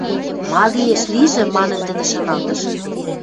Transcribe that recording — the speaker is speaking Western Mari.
«Ма лиэш, лижӹ», – манын, тӹдӹ шаналтыш.